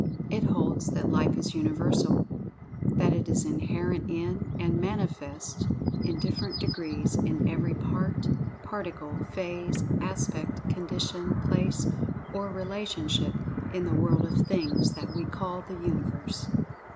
It holds that Life is Universal—that it is inherent in, and manifests (in different degrees) in every part, particle, phase, aspect, condition, place, or relationship, in the World of Things that we call the Universe.